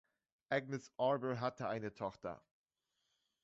Agnes Arber hatte eine Tochter.